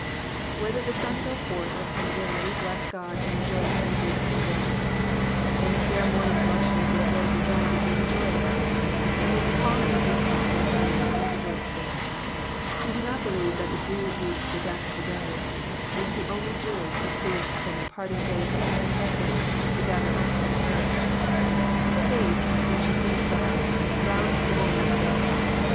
Whether the sun ?^o forth or come in we bless God and rejoice in the gates of the day. When the air morning blushes with the rosy dawn we rejoice ; and when the calm evening smiles restfully we rejoice still. We do not believe that the dew weeps the death of the day ; we only see jewels bequeathed by the departing day for its successor to gather up from the earth. Faith, when she sees God, rounds the day with joy.